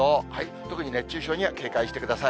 特に熱中症には警戒してください。